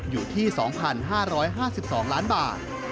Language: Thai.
อยู่ที่๒๕๕๒ล้านบาท